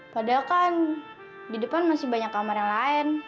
padahal kan di depan masih banyak kamar yang lain